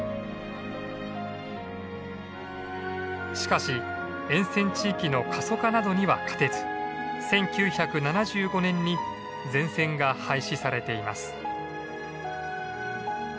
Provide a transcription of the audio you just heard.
しかし沿線地域の過疎化などには勝てず１９７５年に全線が廃止されています。